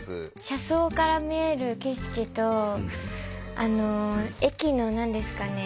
車窓から見える景色と駅の何ですかね